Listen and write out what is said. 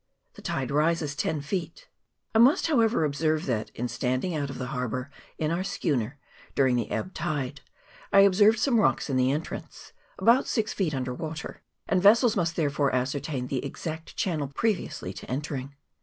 The tide rises ten feet. I must how ever observe that, in standing out of the harbour in our schooner during the ebb tide, I observed some rocks in the entrance, about six feet under water, and vessels must therefore ascertain the exact chan nel previously to entering.